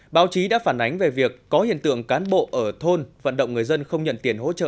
báo chí đã phản ánh về việc có hiện tượng cán bộ ở thôn vận động người dân không nhận tiền hỗ trợ